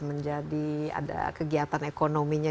menjadi ada kegiatan ekonominya